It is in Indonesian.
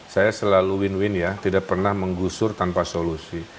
saya selalu win win ya tidak pernah menggusur tanpa solusi